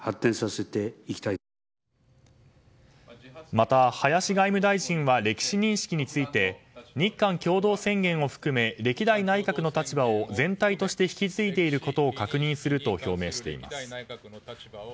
また、林外務大臣は歴史認識について日韓共同宣言を含め歴代内閣の立場を全体として引き継いでいることを確認すると表明しています。